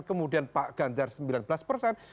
kemudian pak ganjar sembilan belas persen